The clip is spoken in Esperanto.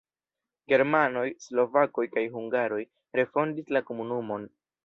Germanoj, slovakoj kaj hungaroj refondis la komunumon.